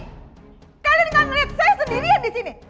kalian gak ngelihat saya sendirian disini